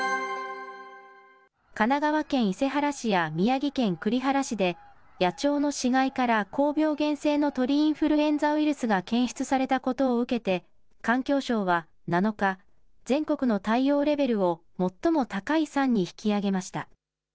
神奈川県伊勢原市や宮城県栗原市で、野鳥の死骸から高病原性の鳥インフルエンザウイルスが検出されたことを受けて、環境省は７日、全国の対応レベルを最も高い３に引き上げました。